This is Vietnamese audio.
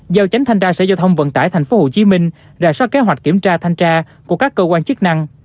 giao tránh thanh tra sở giao thông vận tải tp hcm ra soát kế hoạch kiểm tra thanh tra của các cơ quan chức năng